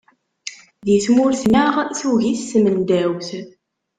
Di tmurt-nneɣ tugi-t tmendawt.